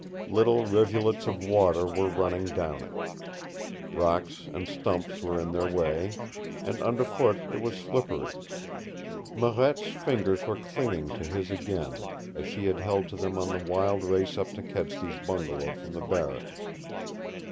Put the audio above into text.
Little rivulets of water were running down it. Rocks and stumps were in their way, and underfoot it was slippery. Marette's fingers were clinging to his again, as she had held to them on the wild race up to Kedsty's bungalow from the barracks.